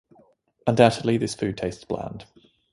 Undoubtedly, this food tastes bland.